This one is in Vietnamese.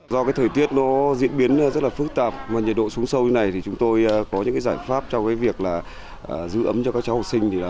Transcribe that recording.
do thời tiết diễn biến rất phức tạp và nhiệt độ xuống sâu như này chúng tôi có những giải pháp trong việc giữ ấm cho các cháu học sinh